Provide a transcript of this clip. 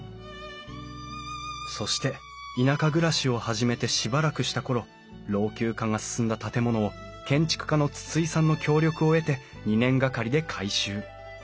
そして田舎暮らしを始めてしばらくした頃老朽化が進んだ建物を建築家の筒井さんの協力を得て２年がかりで改修。